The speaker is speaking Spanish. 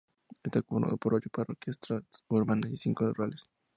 Está conformado por ocho parroquias, tres urbanas y cinco rurales.